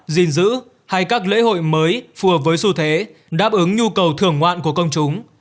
gìn giữ hay các lễ hội mới phù hợp với xu thế đáp ứng nhu cầu thưởng ngoạn của công chúng